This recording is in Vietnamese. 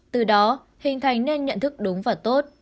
từ đó hình thành nên nhận thức đúng và tốt